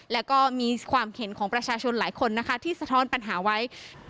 แล้วก็มีความเห็นของประชาชนหลายคนนะคะที่สะท้อนปัญหาไว้